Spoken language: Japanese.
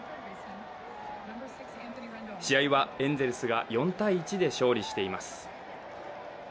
試合はエンゼルスが４−１で勝利しています。